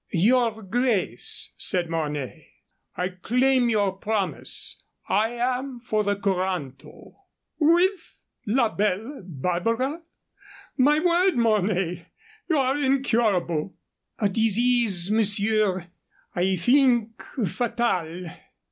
"Your grace," said Mornay, "I claim your promise. I am for the coranto." "With la belle Barbara? My word, Mornay, you are incurable." "A disease, monsieur; I think fatal."